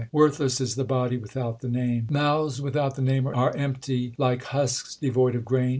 Worthless is the body without the Name : Mouths without the Name are empty Like husks devoid of grain.